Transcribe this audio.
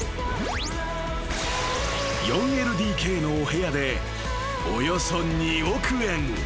［４ＬＤＫのお部屋でおよそ］